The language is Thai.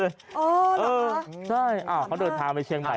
อ๋อเหรอคะสำนักมากใช่เขาเดินทางไปเชียงใหม่